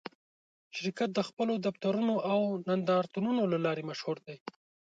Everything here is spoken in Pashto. شرکت د خپلو دفترونو او نندارتونونو له لارې مشهور دی.